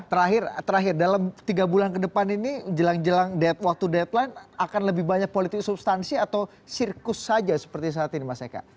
terakhir dalam tiga bulan ke depan ini jelang jelang waktu deadline akan lebih banyak politik substansi atau sirkus saja seperti saat ini mas eka